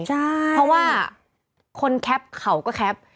เพราะว่าคนแคปเขาก็แคป